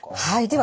はい。